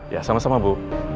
ya sama sama bu